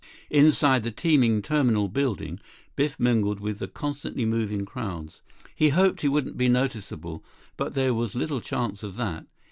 Inside the teeming terminal building, Biff mingled with the constantly moving crowds. He hoped he wouldn't be noticeable, but there was little chance of that.